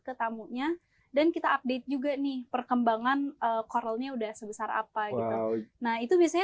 ke tamunya dan kita update juga nih perkembangan coralnya udah sebesar apa gitu nah itu biasanya